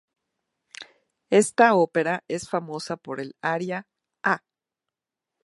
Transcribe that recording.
Esta ópera es famosa por el aria ""Ah!